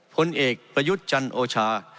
ผลเอกประยุทธ์จันโอชา